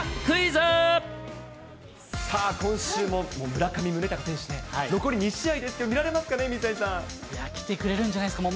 さあ、今週も、村上宗隆選手ね、残り２試合ですけど、見られますかね、水谷さん。来てくれるんじゃないですか。